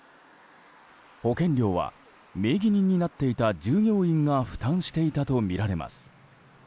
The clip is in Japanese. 保険料は名義人になっていた従業員が負担していたとみられます。